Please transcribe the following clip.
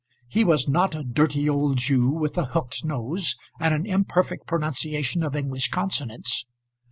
He was not a dirty old Jew with a hooked nose and an imperfect pronunciation of English consonants.